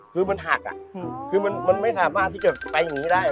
แขนหักตกน้ำมันเป็นน้ำไง